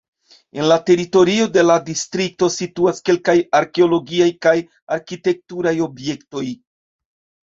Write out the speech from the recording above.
En la teritorio de la distrikto situas kelkaj arkeologiaj kaj arkitekturaj objektoj.